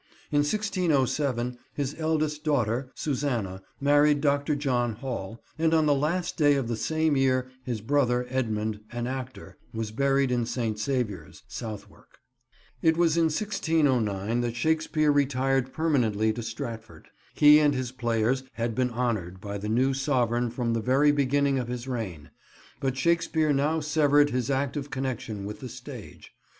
In 1607, his eldest daughter, Susanna, married Dr. John Hall, and on the last day of the same year his brother Edmund, an actor, was buried in St. Saviour's, Southwark. It was in 1609 that Shakespeare retired permanently to Stratford. He and his players had been honoured by the new sovereign from the very beginning of his reign; but Shakespeare now severed his active connection with the stage.